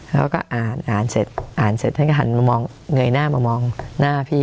เขาก็อ่านอ่านเสร็จอ่านเสร็จท่านก็หันมามองเงยหน้ามามองหน้าพี่